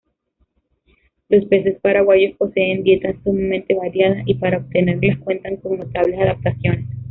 Los peces paraguayos poseen dietas sumamente variadas, y para obtenerlas cuentan con notables adaptaciones.